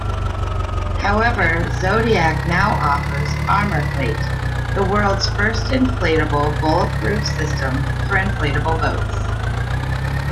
However, Zodiac now offers ArmorFlate, the world's first inflatable bulletproof system for inflatable boats.